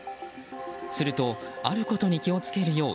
するとあることに気を付けるよう